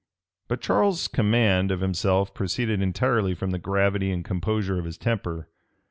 But Charles's command of himself proceeded entirely from the gravity and composure of his temper.